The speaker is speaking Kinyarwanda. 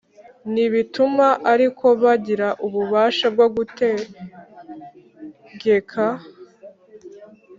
ntibituma ariko bagira ububasha bwo gutekegeka